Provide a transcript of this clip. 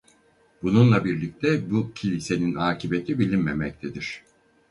Bununla birlikte bu kilisenin akıbeti bilinmemektedir.